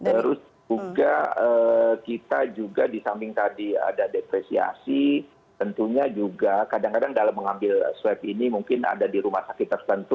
terus juga kita juga di samping tadi ada depresiasi tentunya juga kadang kadang dalam mengambil swab ini mungkin ada di rumah sakit tertentu